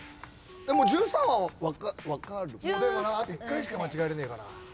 でもなあと１回しか間違えれねえから。